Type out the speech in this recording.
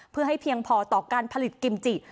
เพื่อให้เพียงพอต่อการผลิตกิมจิ